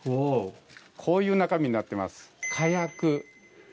こういう中身になってます。